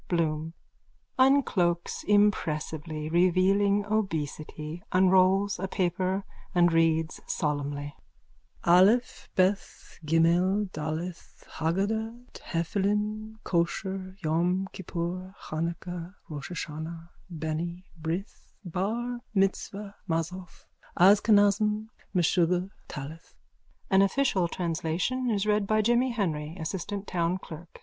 _ BLOOM: (Uncloaks impressively, revealing obesity, unrolls a paper and reads solemnly.) Aleph Beth Ghimel Daleth Hagadah Tephilim Kosher Yom Kippur Hanukah Roschaschana Beni Brith Bar Mitzvah Mazzoth Askenazim Meshuggah Talith. _(An official translation is read by Jimmy Henry, assistant town clerk.)